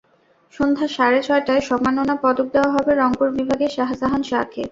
সন্ধ্যা সাড়ে ছয়টায় সম্মাননা পদক দেওয়া হবে রংপুর বিভাগের শাহজাহান শাহকে।